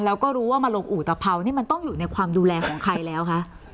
แล้วก็รู้ว่ามาลงอุตภัวนี่มันต้องอยู่ในความดูแลของใครแล้วคะ